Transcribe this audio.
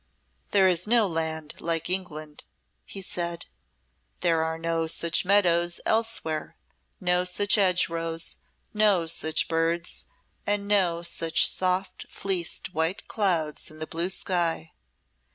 "There is no land like England," he said, "there are no such meadows elsewhere, no such hedgerows, no such birds, and no such soft fleeced white clouds in the blue sky."